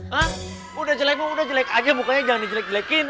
ha udah jelekmu udah jelek aja mukanya jangan dijelek jelekin